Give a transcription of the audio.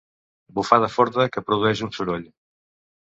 Bufada forta que produeix un soroll.